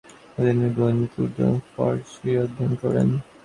তিনি মাওলানা মুহম্মদ ইয়াসিনের অধীনে গণিত, উর্দু এবং ফারসি অধ্যয়ন করেন।